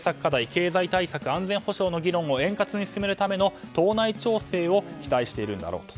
経済対策安全保障の議論を円滑に進めるための党内調整を期待しているんだろうと。